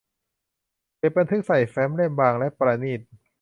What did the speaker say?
เก็บบันทึกใส่แฟ้มเล่มบางและประณีต